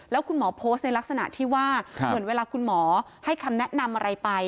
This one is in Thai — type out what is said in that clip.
แล้วคุณหมอโพสต์ในลักษณะที่ว่าเหมือนเวลาคุณหมอให้คำแนะนำอะไรไป